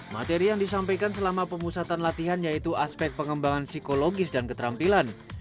materi yang disampaikan selama pemusatan latihan yaitu aspek pengembangan psikologis dan keterampilan